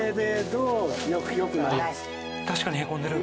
確かにへこんでる。